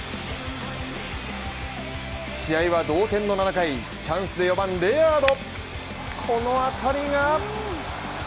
試合は同点の７回、チャンスで４番レアード。